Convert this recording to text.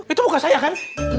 itu bukan saya kan